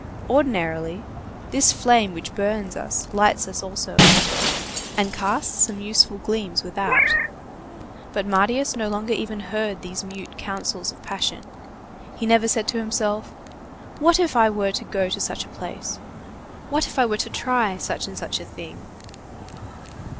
Ordinarily, this flame which burns us lights us also a little, and casts some useful gleams without. But Marius no longer even heard these mute counsels of passion. He never said to himself: "What if I were to go to such a place? What if I were to try such and such a thing?"